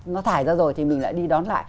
nó thải ra rồi thì mình lại đi đón lại